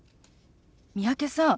三宅さん